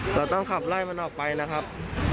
เราต้องขับไล่มันออกไปนะครับ